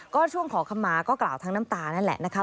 ก็ช่วงขอคำมาก็กล่าวทั้งน้ำตานั่นแหละนะคะ